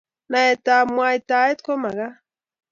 Naet ab mwaitaet komakat